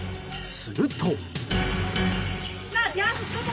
すると。